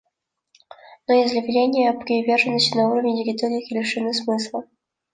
Но изъявления приверженности на уровне риторики лишены смысла.